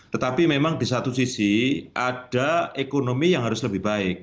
tetapi memang di satu sisi ada ekonomi yang harus lebih baik